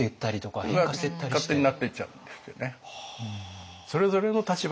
勝手になっていっちゃうんですけどね。